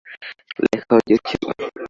লেখা উচিত ছিল।